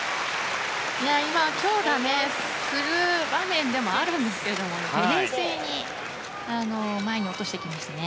今、強打する場面でもあるんですけれども冷静に前に落としていきましたね。